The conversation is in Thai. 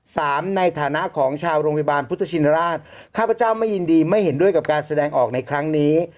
สามในฐานะของชาวโรงพยาบาลพุทธชินราชข้าพเจ้าไม่ยินดีไม่เห็นด้วยกับการแสดงออกในครั้งนี้